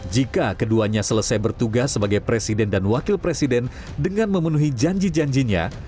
jika keduanya selesai bertugas sebagai presiden dan wakil presiden dengan memenuhi janji janjinya